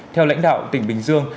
theo lãnh đạo tỉnh bình dương